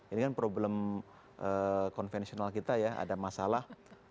ini kan problem konvensional kita ya ada masalah